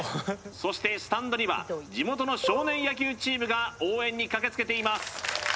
そしてスタンドには地元の少年野球チームが応援に駆けつけています